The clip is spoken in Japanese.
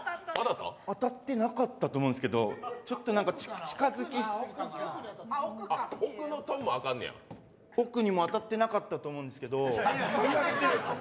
当たってなかったと思うんですけどちょっと近づきすぎ奥にも当たってなかったと思うんですけど。